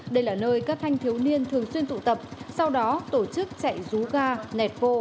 đây là nơi các thanh thiếu niên thường xuyên tụ tập sau đó tổ chức chạy rú ga nẹt phô